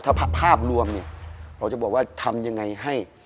ถ้าภาพรวมเราจะบอกว่าทำอย่างไรให้